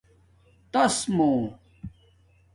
تݳس مُݸ